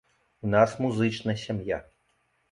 У нас музычна сям'я.